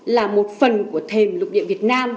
là một phần của thềm lục địa việt nam